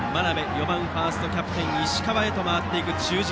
４番ファーストキャプテンの石川へと回る中軸。